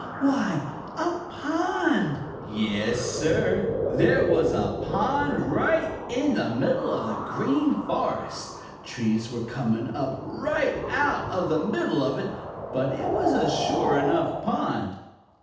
Why, a pond! Yes, Sir, there was a pond right in the middle of the Green Forest! Trees were coming up right out of the middle of it, but it was a sure enough pond.